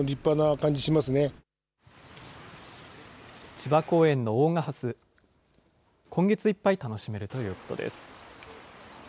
千葉公園の大賀ハス、今月いっぱい楽しめるということです。